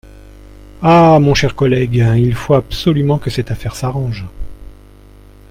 Ah ! mon cher collègue, il faut absolument que cette affaire s'arrange.